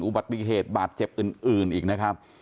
อุบัติเหตุบาดเจ็บอื่นอีกนะครับ